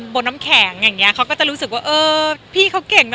น้ำแข็งอย่างเงี้เขาก็จะรู้สึกว่าเออพี่เขาเก่งนะ